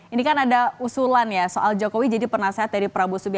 ini kan ada usulan ya soal jokowi jadi penasehat dari prabowo subianto